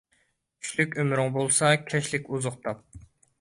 چۈشلۈك ئۆمرۈڭ بولسا، كەچلىك ئوزۇق تاپ